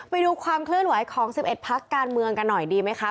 ไปดูความเคลื่อนไหวของ๑๑พักการเมืองกันหน่อยดีไหมคะ